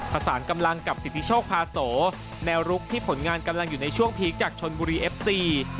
สารกำลังกับสิทธิโชคพาโสแนวรุกที่ผลงานกำลังอยู่ในช่วงพีคจากชนบุรีเอฟซี